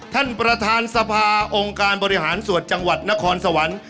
ท่านประธานสภาองค์การบริหารสวดจังหวัดนครสวรรค์